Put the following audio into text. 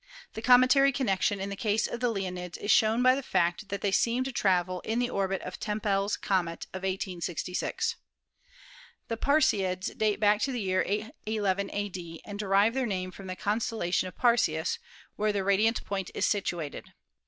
The cometary connection in the case of the Leonids is shown by the fact that they seem to travel in the orbit of Tempers comet of 1866. The Perseids date back to the year 811 a.d v and derive their name from the constellatio of Perseus, where their radiant point is situated.